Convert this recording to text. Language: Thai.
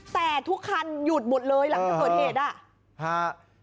แต่ทุกคันหยุดหมดเลยหลังจากเกิดเหตุอ่ะฮะ